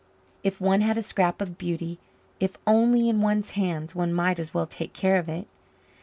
If one had a scrap of beauty, if only in one's hands, one might as well take care of it.